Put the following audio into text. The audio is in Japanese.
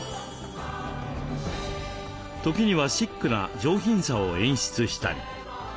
時にはシックな上品さを演出したり。